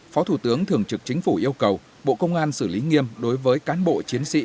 phó thủ tướng thường trực chính phủ yêu cầu bộ công an xử lý nghiêm đối với cán bộ chiến sĩ